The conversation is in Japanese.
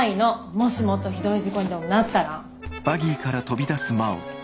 もしもっとひどい事故でもなったら。